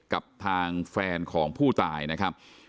กับทางแฟนของผู้ตายนะครับ